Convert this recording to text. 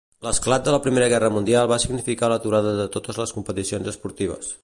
L'esclat de la Primera Guerra Mundial va significar l'aturada de totes les competicions esportives.